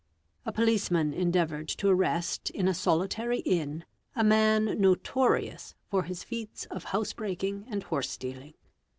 <A police man endeavoured to arrest in a solitary inn a man notorious for his feats of housebreaking and horse stealing.